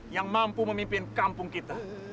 yang mampu memimpin kampung kita